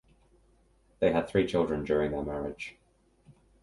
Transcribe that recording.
They had three children during their marriage.